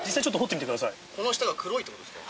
この下が黒いってことですか？